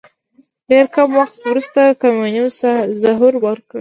ډېر کم وخت وروسته کمونیزم ظهور وکړ.